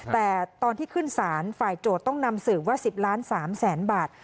แต่ตอนที่ขึ้นศาลฝ่ายโจทย์ต้องนำสืบว่า๑๐ล้าน๓แสนบาท